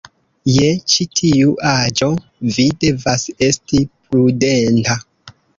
Je ĉi tiu aĝo, vi devas esti prudenta.